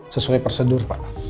sesuai prosedur pak